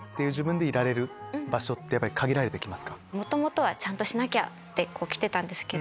元々はちゃんとしなきゃ！って来てたんですけど。